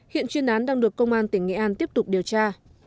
hiện chuyên án đang được công an tỉnh nghệ an tiếp tục điều tra